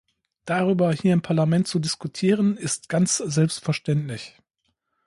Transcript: Darüber hier im Parlament zu diskutieren, ist ganz selbstverständlich.